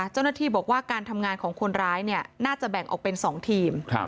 เจ้าหน้าที่บอกว่าการทำงานของคนร้ายน่าจะแบ่งออกเป็น๒ทีม